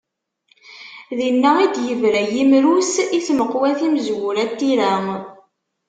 Dinna i d-yebra yimru-s, i tmeqwa timezwura n tira.